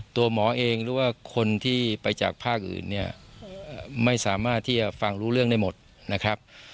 ตัวหมอเองหรือว่าคนที่ไปจากภาคอื่นเนี่ยไม่สามารถที่จะฟังรู้เรื่องได้หมดนะครับ